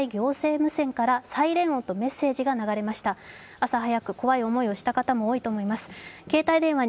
朝早く怖い思いをした方も多いと思います。